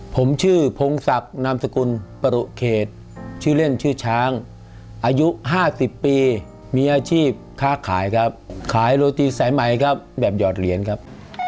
ผมชื่อพงศักดิ์นามสกุลปรุเขตชื่อเล่นชื่อช้างอายุ๕๐ปีมีอาชีพค้าขายครับขายโรตีสายใหม่ครับแบบหยอดเหรียญครับ